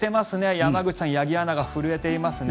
山口さん、八木アナが震えていますね。